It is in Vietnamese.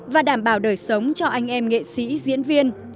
và đảm bảo đời sống cho anh em nghệ sĩ diễn viên